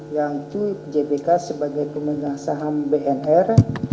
yang itu jpk sebagai pemegang saham bnr